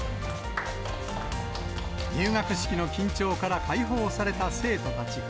入学式の緊張から解放された生徒たち。